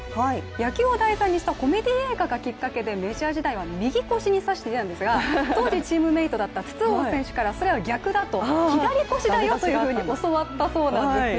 野球を題材にしたコメディー映画がきっかけでメジャー時代は右腰に差していたんですが、当時チームメートだった筒香選手から逆だと。